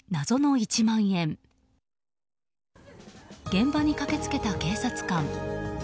現場に駆けつけた警察官。